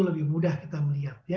lebih mudah kita melihat